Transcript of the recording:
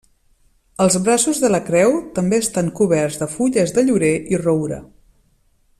Els braços de la creu també estan coberts de fulles de llorer i roure.